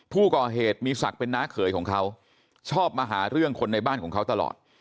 ผู้ก่อเหตุมีศักดิ์เป็นน้าเขยของเขาชอบมาหาเรื่องคนในบ้านของเขาตลอด